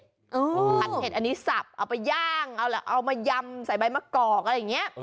ผัดเห็ดอันนี้สับเอาไปย่างเอามายำใส่ใบมะกอกอะไรอย่างนี้